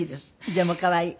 でも可愛い。